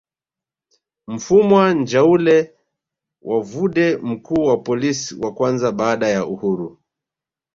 Mfumwa Njaule wa Vudee mkuu wa polisi wa kwanza baada ya uhuru